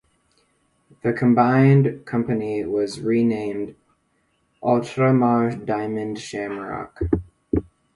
The combined company was renamed "Ultramar Diamond Shamrock".